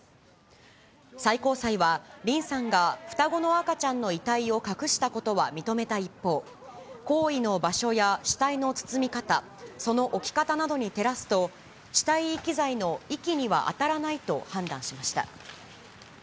最高裁は、リンさんが双子の赤ちゃんの遺体を隠したことは認めた一方、行為の場所や死体の包み方、その置き方などに照らすと、死体遺棄罪の遺棄には当たらないと判断しました。